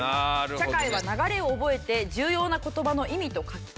「社会は流れを覚えて重要な言葉の意味と書き方